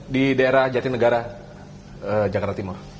di daerah jatinegara jakarta timur